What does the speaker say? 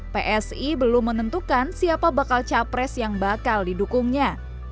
psi belum menentukan siapa bakal capres yang bakal didukungnya